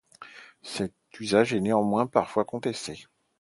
Cet usage est néanmoins parfois contesté.